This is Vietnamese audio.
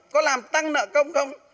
có làm tăng nợ công không